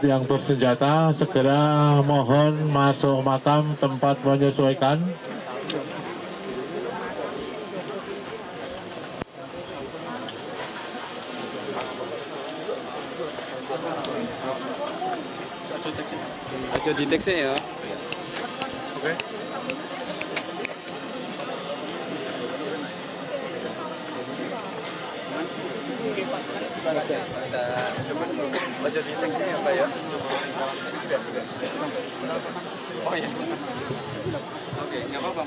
yang bersenjata langsung masuk makam menyesuaikan tempat ya langsung masuk makam